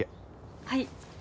はい。